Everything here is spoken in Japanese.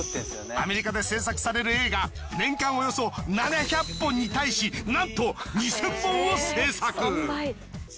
アメリカで制作される映画年間およそ７００本に対しなんと２，０００本を制作！